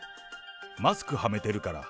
マスクはめてるから。